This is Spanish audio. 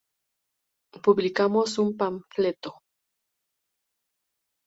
publicamos un panfleto